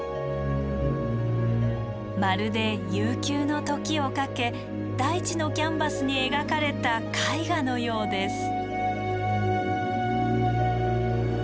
まるで悠久の時をかけ大地のキャンバスに描かれた絵画のようです。